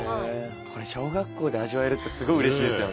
これ小学校で味わえるってすごいうれしいですよね。